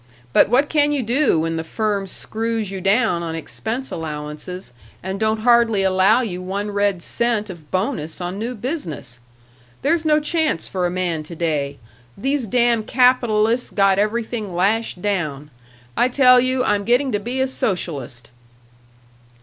But what can you do when the firm screws you down on expense allowances and don't hardly allow you one red cent of bonus on new business? There's no chance for a man to day these damn capitalists got everything lashed down. I tell you I'm getting to be a socialist."